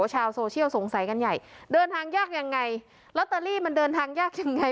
ชาวโซเชียลสงสัยกันใหญ่เดินทางยากยังไงลอตเตอรี่มันเดินทางยากยังไง